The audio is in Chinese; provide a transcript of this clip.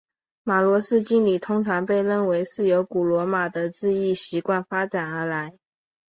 罗马式敬礼通常被认为是由古罗马的致意习惯发展而来。